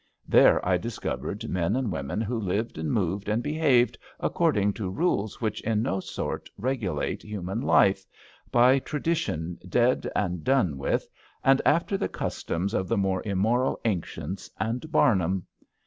There I discovered men and women who lived and moved and behaved according to rules which in no sort regulate human life, by tradition dead and done with, and after the cus toms of the more immoral ancients and Bamum.